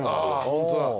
ホントだ。